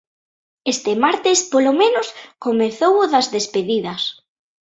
Este martes, polo menos, comezou o das despedidas.